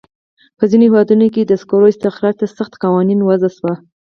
په ځینو هېوادونو کې د سکرو استخراج ته سخت قوانین وضع شوي.